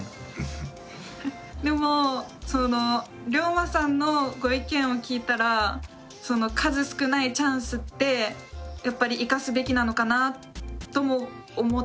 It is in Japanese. でもりょうまさんのご意見を聞いたら数少ないチャンスってやっぱり生かすべきなのかなとも思ったし。